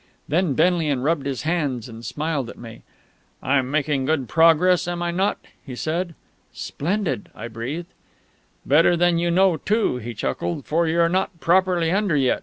Then Benlian rubbed his hands and smiled at me. "I'm making good progress, am I not?" he said. "Splendid!" I breathed. "Better than you know, too," he chuckled, "for you're not properly under yet.